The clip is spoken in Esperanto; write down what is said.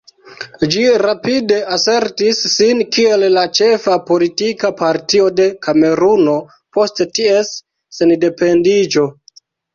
Ĝi rapide asertis sin kiel la ĉefa politika partio de Kameruno post ties sendependiĝo.